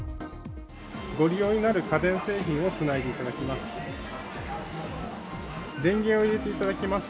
ご利用になる家電製品をつないでいただきます。